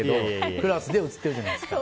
クラスで写ってるじゃないですか。